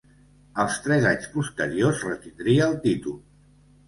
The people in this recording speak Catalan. Els tres anys posteriors retindria el títol.